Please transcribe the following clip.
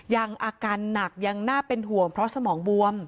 อาการหนักยังน่าเป็นห่วงเพราะสมองบวม